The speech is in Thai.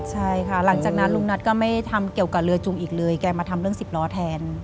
ใช่ค่ะหลังจากนั้นลุงนัทก็ไม่ทำเกี่ยวกับเรือจุงอีกเลยแกมาทำเรื่องสิบล้อแทน